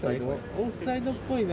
オフサイドっぽいな。